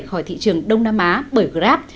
khỏi thị trường đông nam á bởi grab